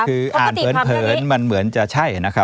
คืออ่านเผินมันเหมือนจะใช่นะครับ